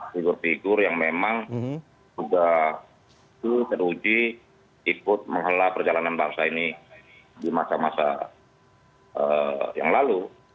figur figur yang memang sudah teruji ikut menghala perjalanan bangsa ini di masa masa yang lalu